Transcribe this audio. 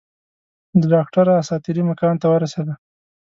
ډاکټره اساطیري مکان ته ورسېده.